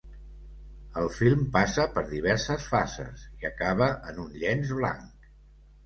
El film passa per diverses fases i acaba en un llenç blanc.